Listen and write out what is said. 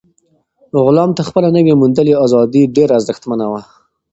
غلام ته خپله نوي موندلې ازادي ډېره ارزښتمنه وه.